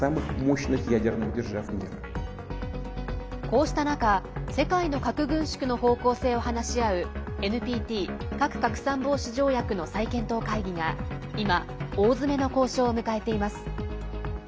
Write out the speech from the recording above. こうした中世界の核軍縮の方向性を話し合うＮＰＴ＝核拡散防止条約の再検討会議が今、大詰めの交渉を迎えています。